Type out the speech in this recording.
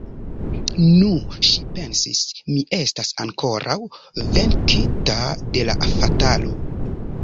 Nu, ŝi pensis, mi estas ankoraŭ venkita de la fatalo.